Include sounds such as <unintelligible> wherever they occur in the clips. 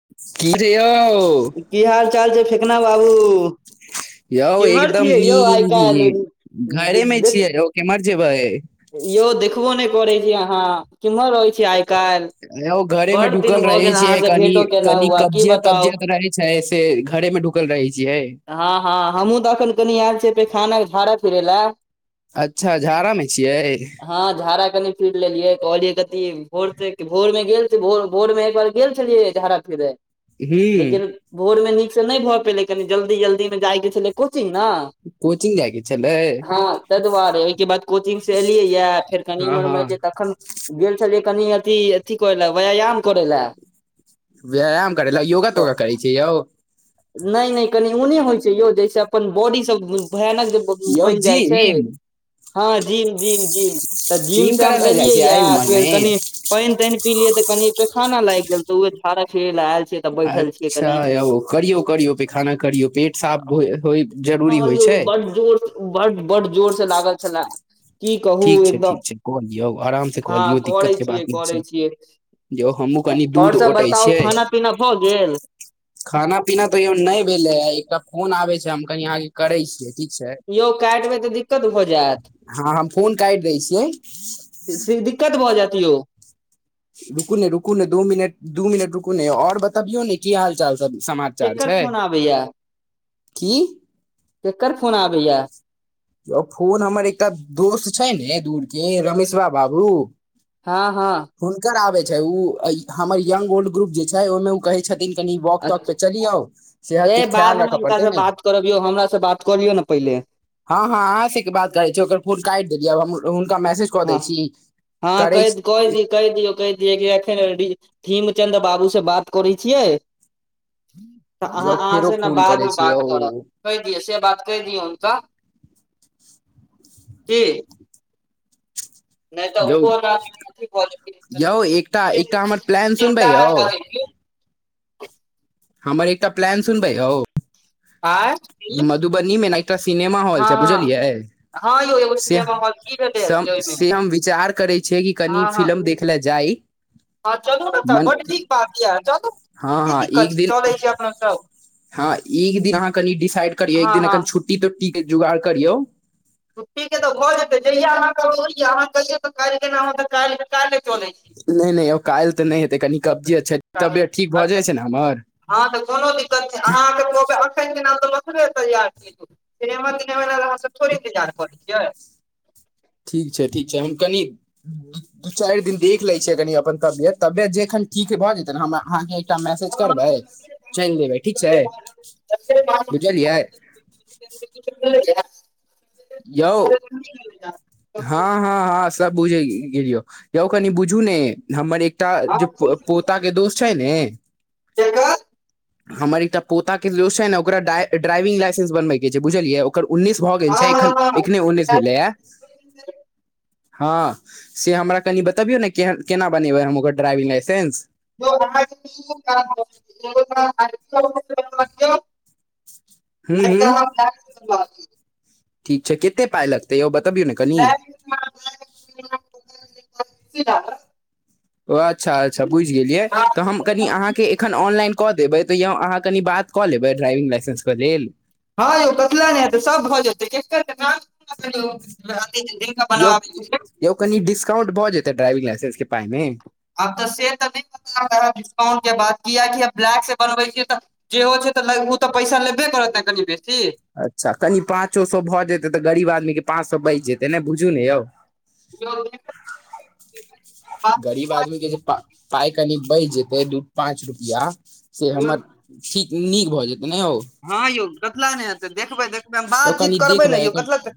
<unintelligible> यौ की हाल चाल छै फेकना बाबु यौ एकदम नीक हियै काल्हि घरे मे देख छियै यौ केम्हर जेबै यौ देखबो नैय करै छै अहाँ केम्हर रहैय छी आइय काइल यौ घरे मे ढुकल रहेै छियै कनी भेटो केना -कनी हुआ की कब्जियत बताउ तब्जियत रहेै छै से घरे मे ढु कल रहै छियै हँ हँ हमहूँ तऽ एखन कनि आयल छियै पैखाना झारा फिरै लऽ अच्छऽ झड़ा मे छियै हँ झाड़ा कनि फिर लेलियै कहलियै कथि भोर से भोर मे गेल अथि भोर भोर मे एकबार गेल छलियै झड़ा फिरे लेकिन हूँ भोर मे नीक सँ नय भऽ पयलै कनी जल्दी जल्दी मे जाय कऽ छलै कोचिंग नऽ कोचिंग जाय कऽ छै हँ ताहि दुआरे ओहि केँ बाद कोचिंग से एलियै या फेर कनि हँ हँ इम्हरमे एलियै तखन गेल छलियै कनि अथि अथि करै लऽ व्यायाम करै लऽ व्यायाम करै लऽ योगा तोगा करै छियै यौ नय नय कनि ऊ नय होइ छै यौ जैय सँ अपन बॉडी सब भयानक <unintelligible> यौ बैन जाइ छै जिम हँ जिम जिम जिम तऽ जिम सँ हम करै लए जाइ एलियै छियै एहि यऽ उमर मे फेर कनि पाइन ताइन पिलिये तऽ कनी पैखाना लाइग गेल तऽ उहे झाड़ा फिरे लऽ एल छिये तऽ बैठल छी अच्छऽ यौ करियौ - करियौ पैखाना करियौ पेट साफ हो होइ जरूरी होइ छै जोड़ सँ बड्ड - बड्ड जोर से लागल छलै की कहू ठीक छै एकदम ठीक छै कऽ लियौ आराम से कऽ हँ लियौ दिक्कत करै के छियै बात नहि करै छै छियै यौ हमहुँ कनि आओर दूध सब ओटे बताउ छियै खाना पीना भऽ गेल खाना पीना तऽयो नै भेलै या एकटा फोन आबै छै हम कनि अहाँके करै छि ठीक छै यौ काटदेबै तऽ दि दिक्कद भ जाय हँ हम फोन काटि दै छियै दिक्कत भऽ जायत यौ रुकू ने रुकू ने दू मिनट दू मिनट रुकू ने यौ आओर बतबियौ ने की हाल चाल सब समाचार केकर छै फोन आबैया की केकर फोन आबैया यौ फोन हमर एकटा दोस्त छै ने दूर के रमेश बा बाबू हँ हँ हुनकर आबै छै उ हमर यंग ओल्ड ग्रुप जे छै ओहिमें उ कहै छथि दिन कनि वॉक ताॅक अच्छा पे चलि आउ सेहत के ख्याल राखऽ पड़तै ने करबियौ हमरा से बात करियौ ने पहिले हँ हँ अहाँ से कि बात करै छी ओकर फोन काट देलियै हुनका मैसेज कऽ दै हँ छी हँ करै कहि छी दियौ कहि दीयौ कहि दियऔ कहि किहैकि अखन थीमचंद बाबू से बात करै छियै तऽ अहाँ यौ अहाँ फेरो से न बादमे फोन करै बादमे छी यौ बात करब कहि दिय से बात कहि दियौन त की नै तऽ यौ ओहो अ भऽ चिन्ता यौ एकटा एकटा हमर प्लान नहि सुनबै भऽ यौ <unintelligible> हमर एकटा प्लान सुनबै यौ आँय मधुबनी मे न एकटा सिनेमा हॉल हँ छै हँ बुझलियै हँ यौ एगो से सिनेमा हॉल की भेलै ओहिमे से हम विचार करै छियै कि कनि हँ हँ फिल्म देख ख लए जाइ हँ चलू न तऽ मन बड नीक बात य चलू हँ की हँ दिक्कत एक छै दिन चलै छि अपनो सब हँ इक दिन अहाँ कनि डिसाइड करियौ एक हँ दिन हँ अखन छुट्टी तुट्टी के जोगाड़ करियौ छुट्टीके तऽ भऽ जेतै जहिया अहाँकेबैय अहाँ कहियो तऽ काल्हि ना तऽ काल्हि काल्हि चलै छी नै नै ओ काल्हि तऽ नै हेतै कनि कब्जी अ छै काल्हि तबियत ठीक भऽ अच्छा जाइ छै ने हमर हँ तऽ कोनो दिक्कत नय अहाँके कहबै एखन तऽ अखने तैयार छी हम सिनेमा तिनेमा लऽ हमसब थोड़े के इन्तजार करै छियै ठीक छै ठीक छै हम कनि दू चारि दिन देख लै छियै कनि अपन तबियत तबियत जे एखन ठीक भए जेतै हम अहाँके एकटा मैसेज हँ करबै चलि देबै ठीक छै यौ बुझलियै <unintelligible> यौ <unintelligible> हँ हँ हँ सब बुझ गेलियो यौ कनि बुझू ने हमर एक टा जे पोता के दोस्त छै ने हमर एकटा पोता के दोस्त छै न ओकरा ड्राइविंग लाइसेंस बनबय के छै बुझलिय ओकर उन्नीस भऽ गेल छै एखन एखने उन्नीस भेलैया हँ से हमरा कनि बतबियौ न केना बनेबै हम ओकर ड्राइविंग लाइसेंस <unintelligible> हूँ नहि हूँ त <unintelligible> ठीक छै केते पाय लगतै यौ बतबियौ न कनि <inaudible> ओ अच्छा अच्छा बुझि गेलियै तऽ हम कनि अहाँके एखन ऑनलाइन कऽ देबै तऽ यौ अहाँ कनि बात कऽ लेब ड्राइविंग लाइसेंस के लेल हँ यौ कथिला नहि हेतै सब भऽ जेतै यौ बनबाबै यौ कनि डिस्काउंट भऽ जेते ड्राइविंग लाइसेंस के पाई मे आब तऽ से तऽ नय पता डिस्काउंट के बात कियकि ब्लैक से बनबै छीय तऽ जे हो छै ओ तऽ पैसा लेबे करत न कनि बेसी अच्छा कनि पाँचो सए भऽ जेतै तऽ गरीब आदमीक के पाँच सए बचि जेतै ने बुझू ने यौ <inaudible> गरीब आदमी के जे पाय कनि बैच जेतै दू पाँच रुपया से हमर ठीक नीक भऽ जेतै ने औ हँ यौ कथिला नहि हेतै देखबै देखबै यौ बातचीत कनि करबै ने देखबै यौ अगर कथिला न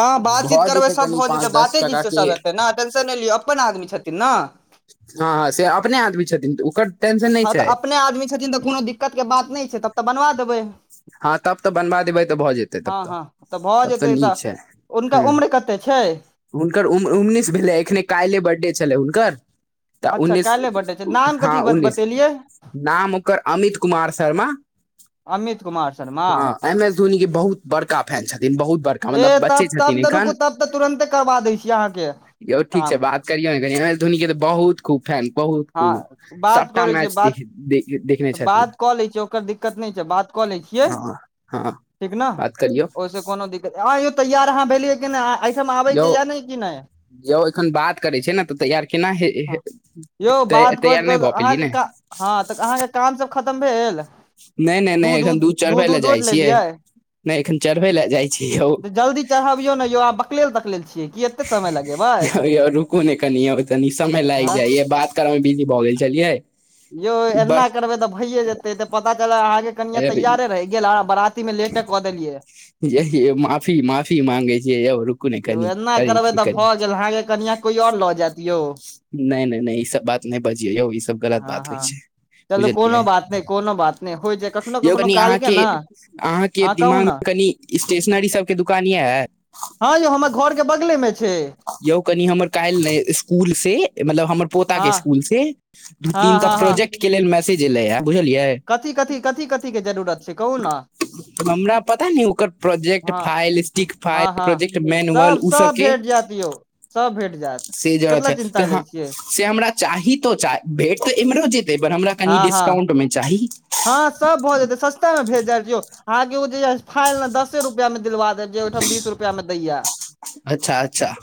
हँ बातचीत भऽ करबै जेतै सभ कनि भऽ जेतै पाँच दस बाते टका चीजसँ के सभ हेतै ने टेंशन नहि लियौ अपन आदमी छथिन ने हँ हँ से अपने आदमी छथिन तऽ ओकर टेंशन नहि हँ छै तऽ अपने आदमी छथिन तऽ कोनो दिक्कतके बात नहि छै तब तऽ बनवा देबै हँ तब तऽ बनबा देबै तऽ भऽ जेतै तब हँ तऽ हँ भऽ तब तऽ जेतै नीक छै हुनका हूँ उम्र कते छै हुनकर उम्र उन्नीस भेलै एखने काल्हि बर्थडे छलै हुनकर तऽ अच्छा उन्नीस काल्हि बर्थडे छै नाम हँ कथी उन्नीस बतेलियै नाम ओकर अमित कुमार शर्मा अमित कुमार शर्मा हँ एम एस धोनी के बहुत बड़का फैन छथिन बहुत बड़का ए मतलब बच्चे तब तब छथिन तऽ रुकू एखन तब तऽ तुरन्ते करबा दै छी अहाँके यौ ठीक छै काम बात धोनी के तऽ बहुत खूब फैन बहुत हँ खूब सबटा मैच देखने त छथिन बात कऽ लै छियै ओकर दिक्कत नहि छै बात क लै छियै हँ हँ ठीक बात करियौ न कोनो दिक्कत- हँयौ तैयार अहाँ भेलियै कि नहि अहिठाम आबैके या नहि कि नहि यौ एखन बात करै छै ने तऽ तैयार केना हँ यौ बात करैत तैयार नहि करैत भऽ पेलियै अहाँके ने का हँ तऽ अहाँके काम सब खतम भेल नहि नहि नहि एखन उध दूध चढ़बै लए उध ओट जाइ छियै लेलियै नहि एखन चढ़बै ल जाइ छी यौ चढाबियौ ने यौ अहाँ बकलेल तकलेल छियै कि एते समय लगेबै यौ यौ रुकु ने कनि यौ तनी समय लागि हँ जाइ य बात सब बिजी भऽ गेल छलियै यौ एना बड़ करबै तऽ भैए जेतै तऽ पता चल अहाँके कनियारे रहि गेल अहाँ कबरात <unintelligible> कदलियै यौ यौ माफी माफी माँगे छी यौ रुकू ने यौ कनि एना करै करबै छी तऽ कनि भऽ गेल अहाँके कनिया कोई आओर लऽ जायइत यौ नहि नहि नहि ई सब बात नहि बजिययौ यौ गलत हँ बात होइ छै हँ-चलू कोनो बुझलियै बात नहि कोनो बात नहि होइ छै कखनो यौ कखनो कनि काल के अहाँके ने अहाँके अहाँ कहू दिमाग ने मे कनि स्टेशनरी सबके दुकान ये हँ यौ हमर घर के बगले मे छै। यौ कनि हमर काल्हि स्कूल से मतलब हमर पोता हँ के स्कूल से दू हँ तीन टा हँ हँ प्रोजेक्ट के लेल मैसेज एलै ऐ बुझलियै कथी कथी कथी कथीके जरूरत छै कहू ने हमरा पता न ओकर प्रोजेक्ट हँ फाइल स्टिक हँ फाइल प्रोजेक्ट मेनुअल ओ सबके दियौ सब भेट जायत कतना है तऽ चिन्ता लै ह- छियै। से हमरा चाही तो भेंट तऽ एम्हरो जेतै पर हमरा कनि हँ हँ डिस्काउंटमे चाही। हँ सब भऽ जेतै सस्ता में भेंट जायत यौ अहाँ के जे ओ फाइल दसे रुपआ मे दिलवा जबकिउहिठाम बीस रुपआ मे दैया। अच्छा अच्छा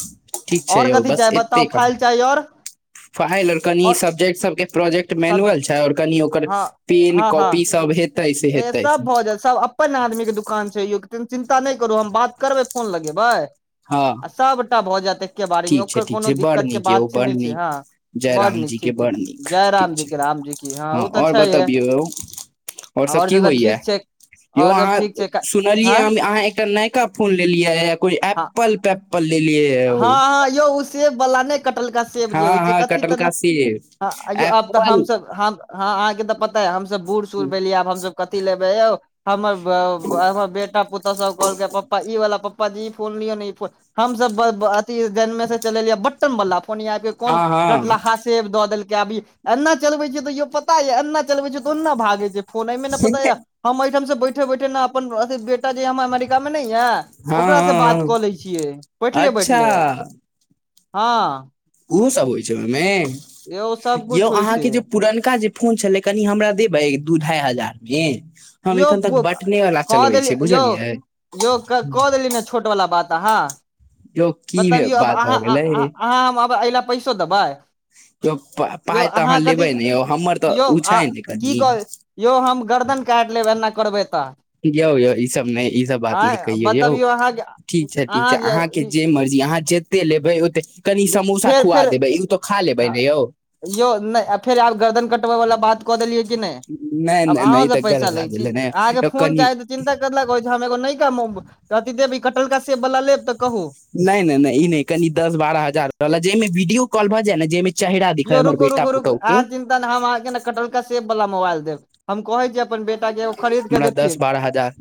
ठीक छै आओर यौ कथी बस चाही एते बताउ काम फाइल चाही आओर फाइल आओर कनि सब्जेक्ट सबके प्रोजेक्ट सब्जी मेनुअल छै आओर कनि ओकर हँ पेन हँ हँ कॉपी सब हे ए सब भऽ जा सब अपन आदमी के दुकान छै यौ चिन्ता नहि करू हम बात करबै फोन लगेबै। हँ। सबटा भ जाएत। ठीक छै ठीक छै बड़ नीक य ओ बड़ छै नीक। हँ जय बड नीक रामजी के ठीक बड़ ठीक नीक जय ठीक राम जी छै के राम जी की हँ ओ तऽ आओर छैहे बतबियौ ओर सब आओर की तऽ होइया ठीक छै यौ आओर सब अहाँ ठीक छै सुनलियै हँ हम अहाँ एकटा नयका फोन लेलियए कोई हँ एप्पल पैप्पल लेलियै यो। हँ हँ यौ ओ सेबवला नहि कटलका सेब जे हँ होइ छै हँ कथी तऽ ने कटलका सेब हयो आब तऽ एप्पल हमसभ ह अहाँके तऽ पता है हमसब बूढ़ सूढ़ भेलियै आब हमसब कथी लेबै यौ। हमर हमर बेटा पुत पूतोहू सब कहलक पप्पा ई वाला पप्पा जी ई फोन लियौ ने ई फोन हमसब अथि जनमे से चलेलिये बटटम वाला फोन यहाँप कोन हँ हँ कटलहा से सेव दऽ देलकै अभी एन्ना चलबे छै तो पता यै एना चलबे छै तऽ ओन्ना भागे छै फोन एहि मे न पता या हम एहिठाम से बैठे बैठे न अपन अथि बे बेटा जे ये हमर अमेरिका मे नहि यै हँ ओकरा से हँ बात हँ कऽ लै छियै बैठले बैठले। अच्छा हँ। उहो सब होइ छै यौ ओहिमे सबकुछ यौ होइ छै अहाँके जे पुरनका जे फोन छलै कनि हमरा देबै दू ढाई हजार मे। हम यौ एखन तक प बटने वाला कह चलबै देली छियै यौ बुझलियै यौ क देली ने छोट वाला बात अहाँ। यौ की बतबियौ आब बात अहाँ भऽ गेलै अहाँ एहि ल पैसो देबै। यौ पाइ तऽ अहाँ लेबै कथी ने यौ हमर तऽ यौ उ छै ने की कनि। कह यौ हम गर्दन काट लेब एना करबै तऽ। यौ यौ ई सब नहि ई सब बात नहि आँय कहियौ यौ। बतबियौ अहाँ ठीक छै ठीक छै अहाँके जे मर्जी अहाँ जे ओते लेबै ओते कनी समोसा फेर खुआ फेर देबै ई तऽ खा लेबै ने यौ। यौ नहि फेर आब गर्दन कटबै वाला बात कऽ देलियै कि नहि आब नहि नहि अहं ई तऽ सब गलत पैसा लै बात छी भेलै ने अहाँके यौ फोन कनि चाही त चिन्ता करला कहै छी हमएगो नइका कटल का सेेए वला लेब तऽ कहू नैय-नैय- नैय इ नैय कनी दस बारह हजार में जाहिमे वीडियो कॉल भऽ जाय ने जाहिमे चेैहरा दिखाई यौ हमर रुकू बेटा रुकू रुकू पुतौह के अहाँ चिन्ता हम आहाँ के न कटलका सेब वला मोबाईल देब हम कहै छी अपन बेटा के ओ हमरा दस बारह हजार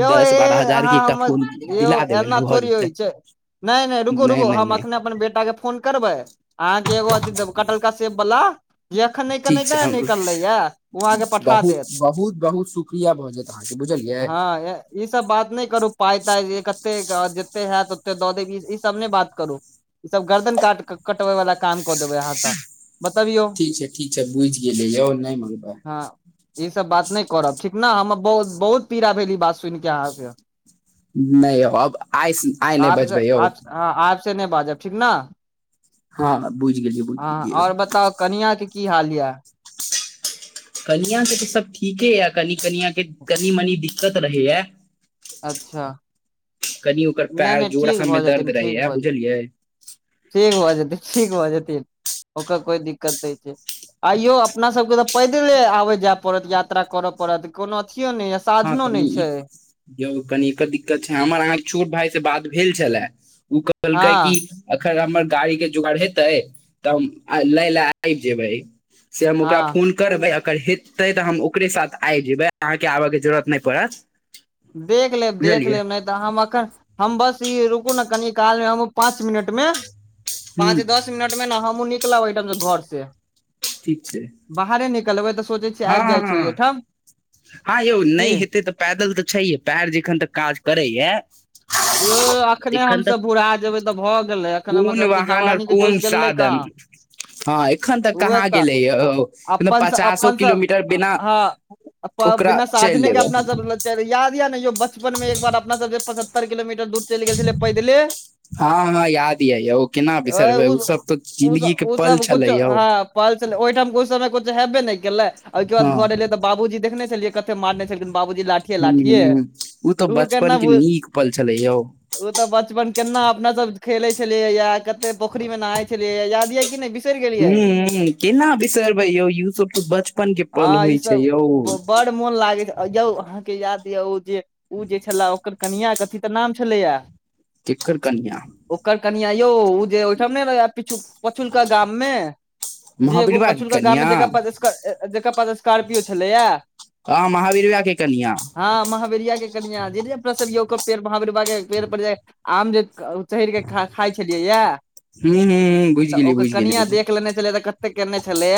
यौ दस ए बारह हजार के अहाँ एकटा फोन हमर यौ दिला देबै एना ने भऽ थोड़ी जेतै होई छै। नहि नहि रुकू रुकू नहि हम नहि एखने अपन बेटाके फोन करबै। अहाँके एगो <unintelligible> कटलका सेब बला जे एखन <unintelligible> नहि ठीक ना छै हम निकललै य ओ अहाँके पठा देत। किया भऽ जायत अहाके बुझलियै हँ ई सब बात नैह करू पाय -ताइ जे कतेक जतेऽ हऽत ओते दऽ देब ई सब नैह बात करू ई सब गर्दन काट -कटबेै वाला काम क देबै आहा त बतबियो ठीक छै ठीक छै बुझि गेलियै यौ नहि मंगबै ह ई सब बात नैय करब ठीक न हमर बहुत -बहुत पीड़ा भेल ई बात सुनि के अहाँ से नैय यौ हम आइस -आइ नैय बजबै यौ ह आब से नैह बाजब ठीक न ह बुइझगेलियौ आ और बताउ कनिआ के की हाल या कनिया के तऽ सब ठीके या कनि कनिय के कनि मनी दिक्कत रहै या अच्छा कनि ओकर नहि पैर नहि जोड़ा ठीक सबमे भऽ दर्द जेथिन ठीक रहैया भऽ बुझलियै ठीक भऽ जेतै -ठीक भऽ जेतै ओकर कोइ दिक्कत नैय छैय आ यौ अपना सबके तऽ पैदले आबऽ जाय पड़त यात्रा करैऽ पड़त कोनो अथियो ने हँ साधनो कनि नैय ई छैय यौ कनि के दिक्कत छै हमर अहाँ के छोट भाय से बात भेल छेलाऽ ओ हँ कहलकै कि अखन हमर गाड़ी के जुगाड़ हेतै तऽ हम आय लैय ले आबि जेबै से हम हँ ओकरा फोन करबै ओकर हेतै तऽ हम ओकरे साथ आइ जेबै अहाँके आब के जरूरत नैय पड़त देख लेबऽ - देख बुझलियै लेऽ नै तऽ हम अखन हम बस ई रुकू ने कनि काल मे हम पाँच मिनट मे हूँ पाँच दस मिनट मे न हमहूँ निकलब ओहिठाम स घर से ठीक छैय बाहरे निकलबै त हँ हँ हँ हाँ यौ की नैह हेतैतऽ पैदल तऽ छैहे पैर जेखन तक काज करैये यौ अखने हमसब बुढ़ा जेबे तऽ भए गेले अखन हमर कोन सब के वाहन और जवानी के जोश कोन गेलै सादन कहाँ ह अखेन त उहे हाँ तऽ गेलै यौ अपन पचासो किलोमीटर <unintelligible> बिना हँ ओकरा बिना चलि साधने के लेबै अपना सब चर याद या न यौ बचपन मे एक बार अपना सबस पचहत्तर किलोमीटर दूर चैल गेल छेलियै पैदलै हँ हमरा याद या यौ केना बिसरबै ओ उसब त जिंन्दगी के ओ पल सब कुछ छलेै या हँ पल छेलै ओहिठाम ओइ समय किछ हेबै नेय केलै ओहिके हँ बाद घर एलै तऽ बाबूजी देखने छेलियै कते मारने छेलखिन बाबूजी लाठिये -लाठिये उ तऽ ओ बचपन केना के भूल नीक पल छेलै यौ ओ तऽ बचपन केना अपना सब खेलै छेलियै या कते पोखरि मे नहाय छेलियै याद या की नैय बिस हुँ केना बिसरबै यौ यु सब तऽ बचपन के पल हँ ई होइय छै सब यौ ब- बड़ मोन लागैत यौ अहाँके याद या ओ जे- ओ जे छेला ओकर कनिआ क अथी तऽ नाम छेलैया केकर कनिआ ओकर कनिआ यौ जे ओहिठाम नै रहै या पिछु-पछुलका गाम में जे एगो महावीरवा के पछुलका गाम मे कनिया जेकरा पर जेकर पास स्कार्पियो छेलैया ह महावीरवा के कनिया हँ महावेरिया के कनिया जेस य ओकर पेड़ महावेर ब के पेड़ पड़ आम जे चहैर कऽ खा खाय छलियै या हू हू ह बुझि तऽ गेलियै ओकर बुझि कनिया गेलियै बुझ देख लेने छलियै तऽ क केने छलैय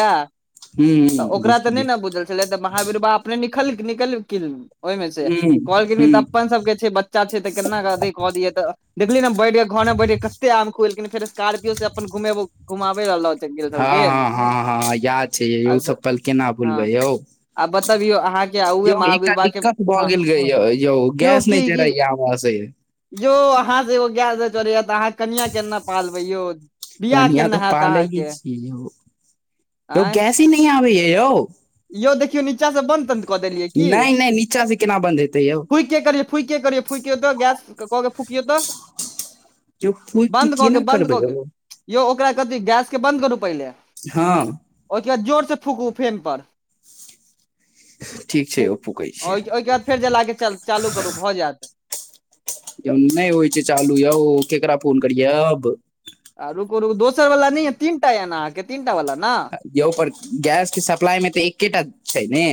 हू तऽ ह ओकरा बुझि तऽ नय गेलियै नऽ बुझल छलै तऽ महावीर बाबा अपने <unintelligible> ओहिमे से ह कहखिन इ ह तऽ अपन सब के छै बच्चा छै तऽ केना कऽ अथि कऽ दियै तऽ देखली नै बैठ कऽ घर मे बैठेक कते आम खुएलखिन फेर स्कार्पियो से अपन घुमेबो- घुमावेओ लऽ गेल हँ छलखिन हँ हँ हँ याद छै यौ आ ओ सब पल केना हँ भुलबै यौ आ बतबियौ अहाँकेँ यौ उहे एकटा महावीरवा केँ दिक्कत हँ <unintelligible> यौ यौ गैस की नहि की चढ़ैया हमरा से यौ अहाँ से एगो गैय नय चड़ै य तऽ अहाँ कनिया केना पालबै यौ बियाह कनिया केना तऽ हैत पालै ही अहाँके छिय यौ यौ आँय गैस ही नै आबै य यौ यौ देखियौ नीचा सँ बन्द तन्द कऽ देलियै की नहि नहि नीचा से केना बंन्द हेतै यौ <unintelligible> फुइ केँ करिय फुइ केँ करिय फुइ केँ तऽ गैस कऽ फुकियो तऽ यौ फूकि के बन्द कऽ केँ केना बन्द करबै कऽ केँ यौ यौ ओकरा कथि गैस केँ बन्द करू पहिले हँ ओहि केँ बाद जोर से फूकू फेम पर ठीक छै यौ फूकै छियै ओहिके बाद फेर जला केँ च - चालू करू भऽ जैत यौ नय होइ छै चालू यौ केकरा फोन करियै अब आ रुकु रुकु दोसर वला नय यऽ तीनटा य ने अहाकेँ तीन टा वाला नऽ यौ ओ पर गैस केँ सप्लाई मे तऽ एकेटा छै ने